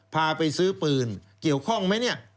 พาไปซื้อปืนเกี่ยวข้องไหมเนี่ย